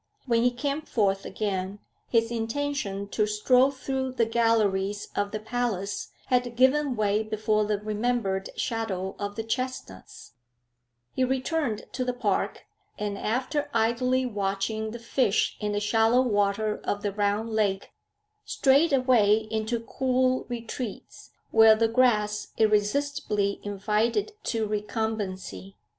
When he came forth again, his intention to stroll through the galleries of the Palace had given way before the remembered shadow of the chestnuts; he returned to the park, and, after idly watching the fish in the shallow water of the round lake, strayed away into cool retreats, where the grass irresistibly invited to recumbency.